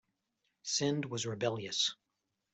Sindh was rebellious.